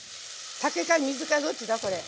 酒か水かどっちだこれ。